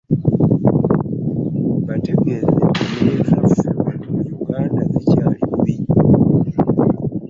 Bategeezezza nti n'ezaffe wano mu Uganda zikyali bubi nnyo.